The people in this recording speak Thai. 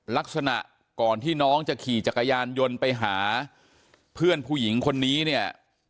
ลักษณะก่อนที่น้องจะขี่จักรยานยนต์ไปหาเพื่อนผู้หญิงคนนี้เนี่ย